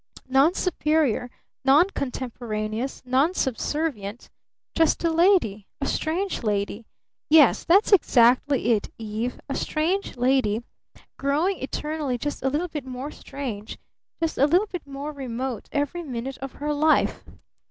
Non superior, non contemporaneous, non subservient! Just a lady! A strange lady! Yes, that's exactly it, Eve a strange lady growing eternally just a little bit more strange just a little bit more remote every minute of her life!